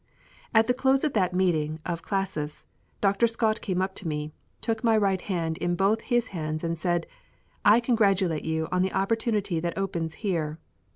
At the close of that meeting of Classis, Dr. Scott came up to me, took my right hand in both his hands, and said, "I congratulate you on the opportunity that opens here.